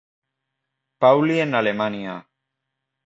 Pauli en Alemania.